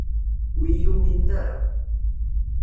Ur iyi-uminen ara.